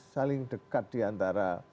saling dekat diantara